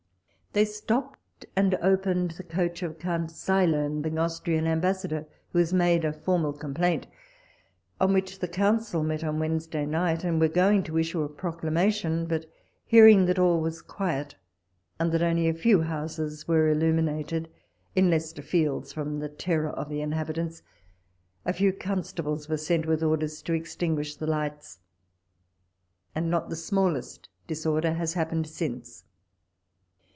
They stopped and opened the coach of Count Seilern, the Austrian ambassador, who has made a formal complaint, on which the Council met on W^ednesday night, and were going to issue a Proclamation, but, hearing that all was quiet, and that only a few houses were illuminated in Leicester Fields from the terror of the inhal)itants, a few constables were sent with oj'ders to extinguish the lights, and not the smallest disorder has happened since.